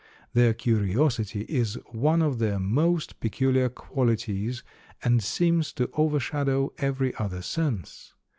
Their curiosity is one of their most peculiar qualities and seems to overshadow every other sense.